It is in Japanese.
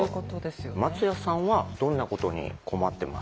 松谷さんはどんなことに困ってますか？